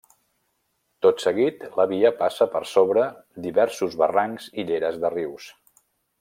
Tot seguit, la via passa per sobre diversos barrancs i lleres de rius.